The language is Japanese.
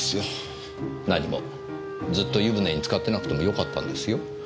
何もずっと湯船につかってなくてもよかったんですよ。